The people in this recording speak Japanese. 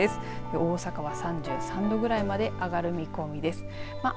大阪は３３度くらいまで上がる見込みです。